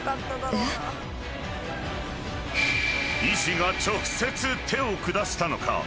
［医師が直接手を下したのか？］